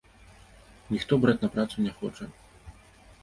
Ніхто браць на працу не хоча.